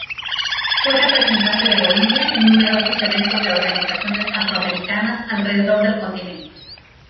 Fue representante de Bolivia en numerosos eventos de organizaciones afroamericanas alrededor del continente.